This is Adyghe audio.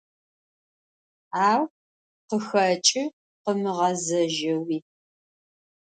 Au khıxeç'ı khımıgezejeu.